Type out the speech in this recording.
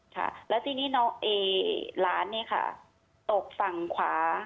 ค่ะแล้วทีนี้น้องไอ้หลานเนี่ยค่ะตกฝั่งขวา